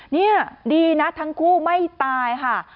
นี่ดีนะทั้งคู่ไม่ตายค่ะ